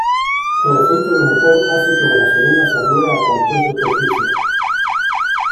El aceite de motor hace que la gasolina se adhiera a cualquier superficie.